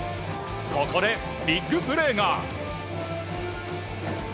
ここで、ビッグプレーが。